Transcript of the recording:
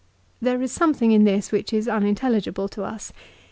There is something in this which is unintelligible to us.